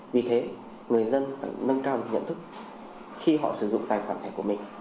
vì thế người dân phải nâng cao nhận thức khi họ sử dụng tài khoản thẻ của mình